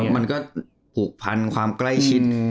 มันก็ผูกพันความใกล้ชิด